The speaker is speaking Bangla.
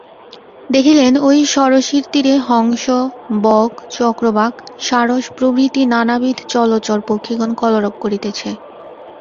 দেখিলেন ঐ সরসীর তীরে হংস, বক, চক্রবাক, সারস প্রভৃতি নানাবিধ জলচর পক্ষিগণ কলরব করিতেছে।